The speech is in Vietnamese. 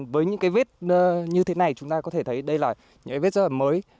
với những cái vết như thế này chúng ta có thể thấy đây là những cái vết rất là mới